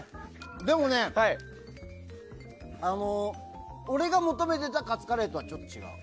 でもね、俺が求めてたカツカレーとはちょっと違う。